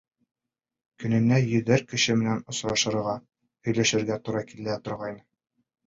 Көнөнә йөҙәр кеше менән осрашырға, һөйләшергә тура килә торғайны.